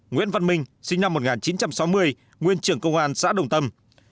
nguyễn văn minh sinh năm một nghìn chín trăm sáu mươi nguyên trưởng công an xã đồng tâm